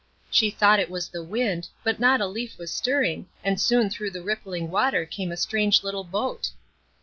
She thought it was the wind, but not a leaf was stirring, and soon through the rippling water came a strange little boat.